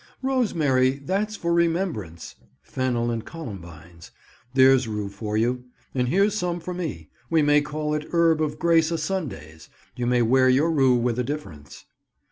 "Rosemary, that's for remembrance"; fennel and columbines: "there's rue for you; and here's some for me; we may call it herb of grace o' Sundays;—you may wear your rue with a difference."